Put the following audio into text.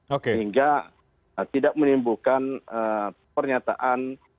sehingga tidak menimbulkan pernyataan